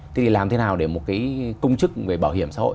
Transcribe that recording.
thế thì làm thế nào để một công chức về bảo hiểm xã hội